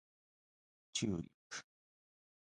チューリップ